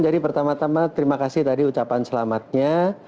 jadi pertama tama terima kasih tadi ucapan selamatnya